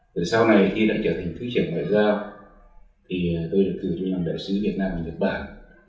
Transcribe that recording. từ sau này khi đã trở thành thư trưởng ngoại giao thì tôi được gửi cho nhóm đại sứ việt nam và nhật bản